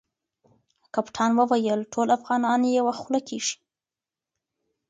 کپتان وویل ټول افغانان یوه خوله کیږي.